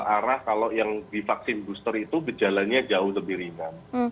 arah kalau yang di vaksin booster itu kejalannya jauh lebih ringan